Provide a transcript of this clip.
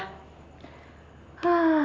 tapi zamannya yang udah berubah